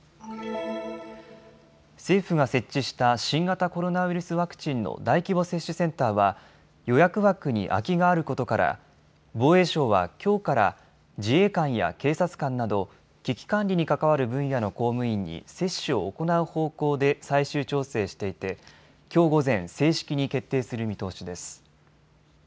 政府が設置した新型コロナウイルスワクチンの大規模接種センターは予約枠に空きがあることから防衛省はきょうから自衛官や警察官など危機管理に関わる分野の公務員に接種を行う方向で最終調整していてきょう午前、正式に決定する見通しです。